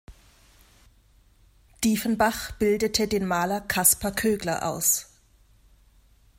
Diefenbach bildete den Maler Kaspar Kögler aus.